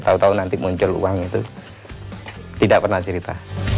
tahu tahu nanti muncul uang itu tidak pernah cerita